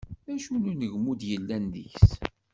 Acu n unegmu i d-yellan deg-s?